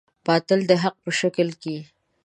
باطل د حق په شکل کې.